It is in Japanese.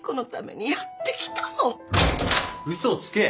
嘘つけ。